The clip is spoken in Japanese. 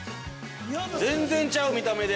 ◆全然ちゃう、見た目で。